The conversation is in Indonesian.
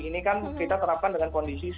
ini kan kita terapkan dengan kondisi